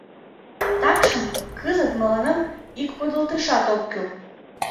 — Такшым кызыт мыланем ик подылтышат ок кӱл.